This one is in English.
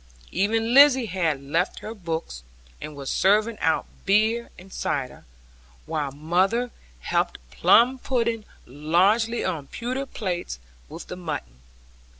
Even Lizzie had left her books, and was serving out beer and cider; while mother helped plum pudding largely on pewter plates with the mutton.